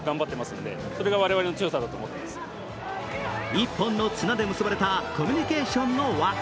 １本の綱で結ばれたコミュニケーションの輪。